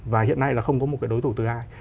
và hiện nay là không có một cái đối tủ từ ai